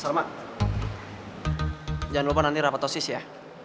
salma jangan lupa nanti rapatosis ya